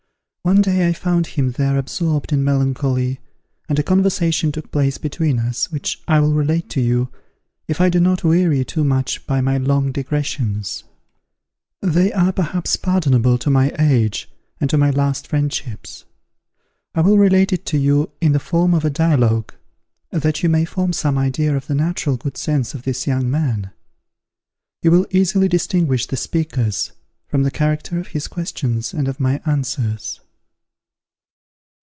One day, I found him there absorbed in melancholy and a conversation took place between us, which I will relate to you, if I do not weary you too much by my long digressions; they are perhaps pardonable to my age and to my last friendships. I will relate it to you in the form of a dialogue, that you may form some idea of the natural good sense of this young man. You will easily distinguish the speakers, from the character of his questions and of my answers.